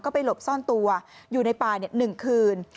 ไปหลบซ่อนตัวอยู่ในป่า๑คืน